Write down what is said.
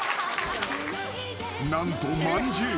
［何とまんじゅう。